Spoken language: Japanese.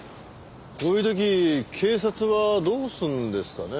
こういう時警察はどうするんですかね？